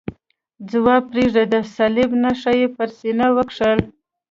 ځواب پرېږدئ، د صلیب نښه یې پر سینه وکښل.